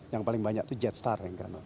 yang paling banyak itu jetstar